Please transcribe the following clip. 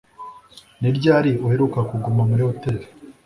Ni ryari uheruka kuguma muri hoteri?